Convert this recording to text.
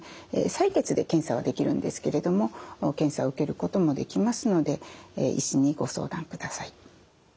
採血で検査はできるんですけれども検査を受けることもできますので医師にご相談ください。